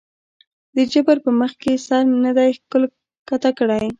د جبر پۀ مخکښې سر نه دے ښکته کړے